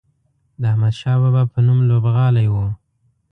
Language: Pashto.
د احمدشاه بابا په نوم لوبغالی و.